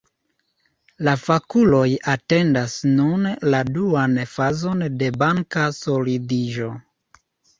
La fakuloj atendas nun la duan fazon de banka solidiĝo.